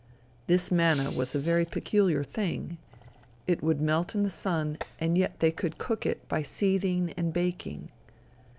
This manna was a very peculiar thing. It would melt in the sun, and yet they could cook it by seething and baking.